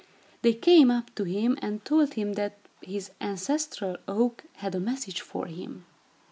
They came up to him and told him that his ancestral oak had a message for him.